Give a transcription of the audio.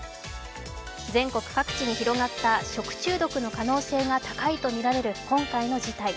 全国各地に広がった食中毒の可能性が高いとみられる今回の事態。